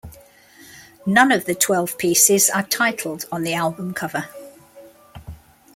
None of the twelve pieces are titled on the album cover.